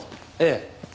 ええ。